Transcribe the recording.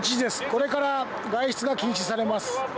これから外出が禁止されます。